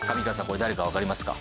これ誰かわかりますか？